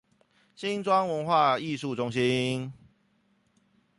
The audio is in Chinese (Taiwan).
新莊文化藝術中心